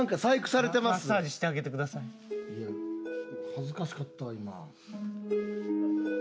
恥ずかしかったわ今。